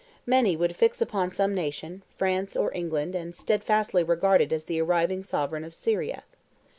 Many would fix upon some nation, France or England, and steadfastly regard it as the arriving sovereign of Syria.